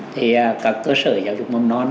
thì các cơ sở giáo dục mầm non